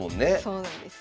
そうなんですよ。